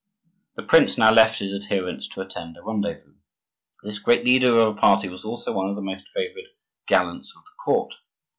The prince now left his adherents to attend a rendezvous. This great leader of a party was also one of the most favored gallants of the court.